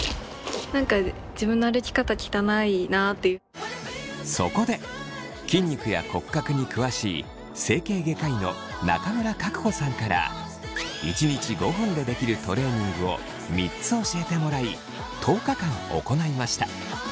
何かそこで筋肉や骨格に詳しい整形外科医の中村格子さんから１日５分でできるトレーニングを３つ教えてもらい１０日間行いました。